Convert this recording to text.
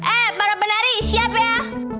eh para penari siap ya